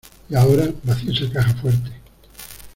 Y ahora, vacía esa caja fuerte.